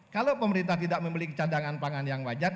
kalau pemerintah tidak memiliki cadangan pangan yang wajar